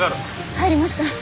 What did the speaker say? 入りました！